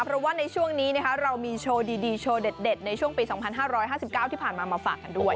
เพราะว่าในช่วงนี้เรามีโชว์ดีโชว์เด็ดในช่วงปี๒๕๕๙ที่ผ่านมามาฝากกันด้วย